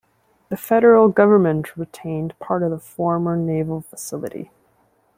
The federal government retained part of the former Naval Facility.